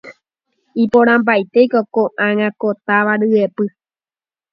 iporãmbaitéko ko'ág̃a ko táva ryepy.